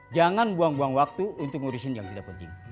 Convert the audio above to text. jangan buang buang waktu untuk ngurusin yang tidak penting